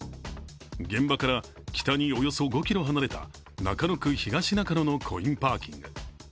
現場から北におよそ５ｋｍ離れた中野区東中野のコインパーキング。